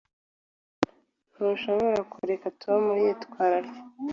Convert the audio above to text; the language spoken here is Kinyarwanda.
Ntushobora kureka Tom yitwara atyo.